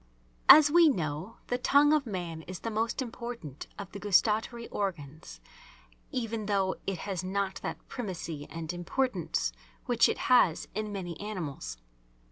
As we know the tongue of man is the most important of the gustatory organs, even though it has not that primacy and importance which it has in many animals.